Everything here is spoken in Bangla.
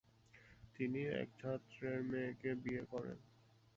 তিনি এক ছাত্রের মেয়েকে বিয়ে করেন।